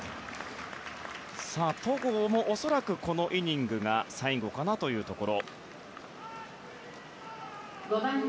戸郷も恐らくこのイニングが最後かなというところ。